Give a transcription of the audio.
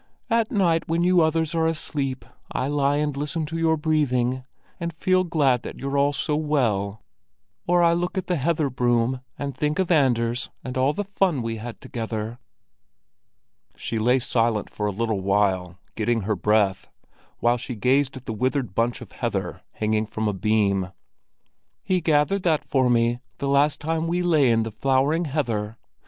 At night when you others are asleep, I lie and listen to your breathing, and feel glad that you're all so well. Or I look at the heather broom, and think of Anders and all the fun we had together." She lay silent for a little while, getting her breath, while she gazed at a withered bunch of heather hanging from a beam. "He gathered that for me the first time we lay in the flowering heather.